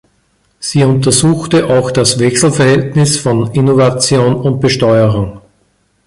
Sie untersuchte auch das Wechselverhältnis von Innovation und Besteuerung.